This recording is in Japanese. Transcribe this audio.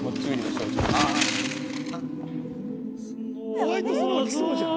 ホワイトスノー来そうじゃん。